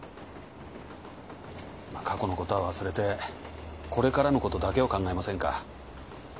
過去のことは忘れてこれからのことだけを考えませんか？